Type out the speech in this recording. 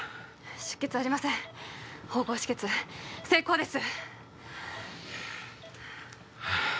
出血ありません縫合止血成功です